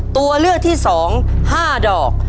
ตัวเลือกที่๒๕ดอก